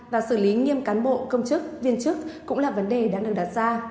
và xử lý nghiêm cán bộ công chức viên chức cũng là vấn đề đã được đặt ra